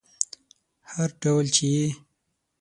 هر ډول چې یې